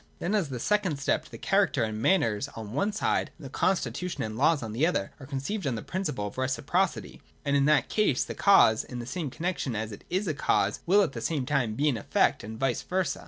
Then, as the second step, the character and manners on one side and the constitu tion and laws on the other are conceived on the principle of reciprocity : and in that case the cause in the same connexion as it is a cause will at the same time be an effect, and vice versa.